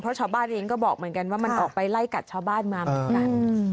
เพราะชาวบ้านเองก็บอกเหมือนกันว่ามันออกไปไล่กัดชาวบ้านมาเหมือนกัน